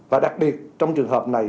và đặc biệt trong trường hợp này